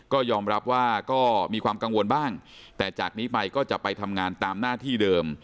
ก็ยอมรับว่าก็มีความกังวลบ้างแต่จากนี้ไปก็จะไปทำงานตามหน้าที่เดิม